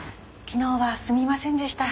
昨日はすみませんでした。